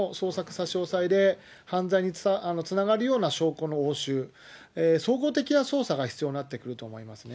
差し押さえで犯罪につながるような証拠の押収、総合的な捜査が必要になってくると思いますね。